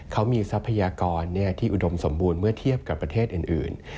เขามีทรัพยากรที่อุดมสมบูรณ์เมื่อเทียบกับประเทศอื่น